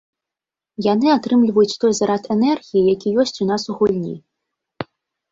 Яны атрымліваюць той зарад энергіі, які ёсць у нас у гульні.